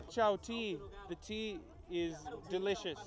chà là rất ngon